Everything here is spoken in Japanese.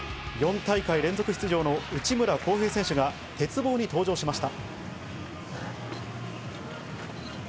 ４大会連続出場の内村航平選手が鉄棒に登場しました。